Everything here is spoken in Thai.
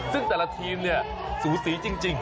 ซึ่งแต่ละทีมเนี่ยสูสีจริง